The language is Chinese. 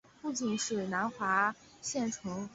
父亲是南华县丞。